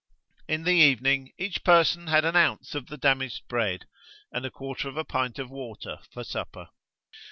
In the evening, each person had an ounce of the damaged bread, and a quarter of a pint of water for supper.